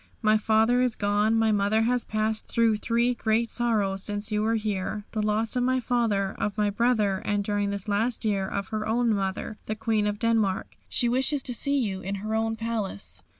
My father is gone. My mother has passed through three great sorrows since you were here the loss of my father, of my brother, and during this last year of her own mother, the Queen of Denmark. She wishes to see you in her own palace."